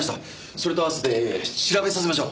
それと併せて調べさせましょう。